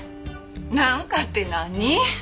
なんかて何？